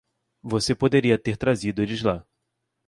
Você poderia ter trazido eles lá!